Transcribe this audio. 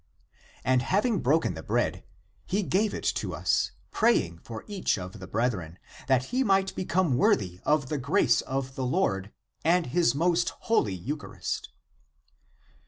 And having broken the bread, he gave it to us, praying for each of the brethren, that he might become worthy of the grace of the Lord and his most holy eucharist.